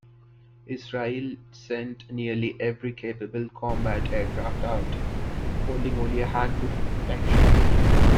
Israel sent nearly every capable combat aircraft out, holding only a handful for protection.